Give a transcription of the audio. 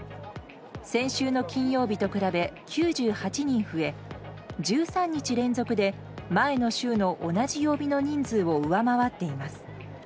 先週の金曜日と比べ９８人増え１３日連続で前の週の同じ曜日の人数を上回っています。